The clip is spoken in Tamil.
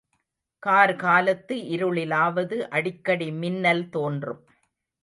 கார்காலத்து இருளிலாவது அடிக்கடி மின்னல் தோன்றும்.